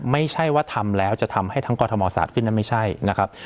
ไม่ใช่ว่าทำแล้วจะทำให้ทั้งกรทมศาสตร์ขึ้นนั้นไม่ใช่นะครับ